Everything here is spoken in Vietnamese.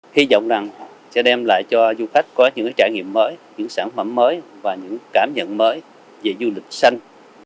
hy vọng rằng sẽ đem lại cho du khách có những trải nghiệm mới những sản phẩm mới và những cảm nhận mới về du lịch xanh